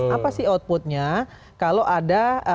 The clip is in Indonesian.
apa sih outputnya kalau ada